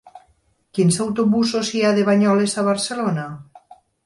Quins autobusos hi ha de Banyoles a Barcelona?